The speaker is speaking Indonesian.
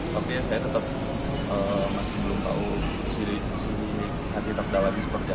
tapi ya saya tetap masih belum tahu si hati takdala di sepertinya